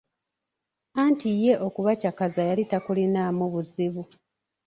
Anti ye okubacakaza yali takulinamu buzibu.